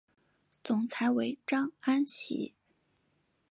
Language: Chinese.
总裁为张安喜。